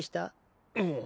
うん。